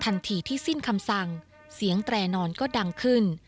ทันทีที่สิ้นคำสั่งเสียงแตรนอนก็ดังขึ้น